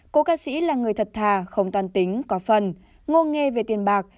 cô ca sĩ là người thật thà không toàn tính có phần ngô nghe về tiền bạc